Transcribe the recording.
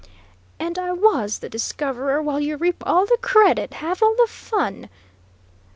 "And I was the discoverer, while you reap all the credit, have all the fun!"